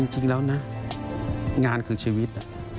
จริงแล้วนะงานคือชีวิต